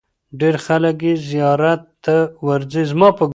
ډېر خلک یې زیارت ته ورځي.